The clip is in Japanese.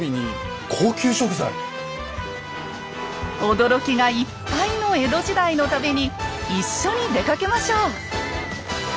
驚きがいっぱいの江戸時代の旅に一緒に出かけましょう！